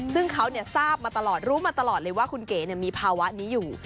ซึ่งเขาทราบมาตลอดรู้มาตลอดเลยว่าคุณเก๋มีภาวะนี้อยู่